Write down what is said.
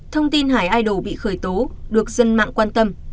thông tin hải idol bị khởi tố được dân mạng quan tâm